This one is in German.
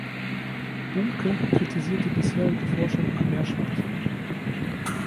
Bumke kritisiert die bisherige Forschung an Meerschweinchen.